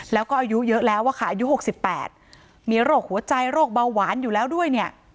แล้วก็อายุเยอะแล้วอะค่ะอายุ๖๘มีโรคหัวใจโรคเบาหวานอยู่แล้วด้วยเนี่ย